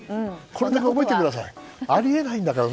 これだけ覚えてください。